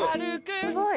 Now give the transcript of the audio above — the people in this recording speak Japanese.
すごい。